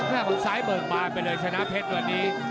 แน่บกันซ้ายเบิงมาไปเลยชนะเพชรก่อนนี้